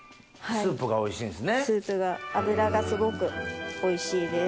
スープが脂がすごくおいしいです。